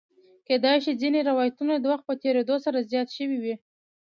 کېدای شي ځینې روایتونه د وخت په تېرېدو سره زیات شوي وي.